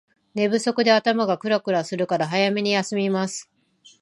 寝不足で頭がクラクラするから早めに休みます